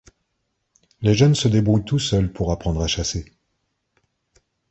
Les jeunes se débrouillent tout seuls pour apprendre à chasser.